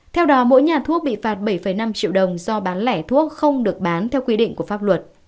theo đó mỗi nhà thuốc bị phạt bảy năm triệu đồng do bán lẻ thuốc không được bán theo quy định của pháp luật